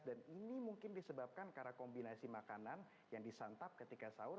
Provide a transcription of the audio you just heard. dan ini mungkin disebabkan karena kombinasi makanan yang disantap ketika sahur